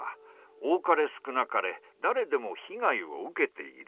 多かれ少なかれだれでも被害を受けている。